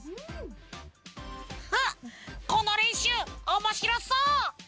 このれんしゅうおもしろそう！